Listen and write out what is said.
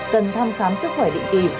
cần thăm khám sức khỏe định kỳ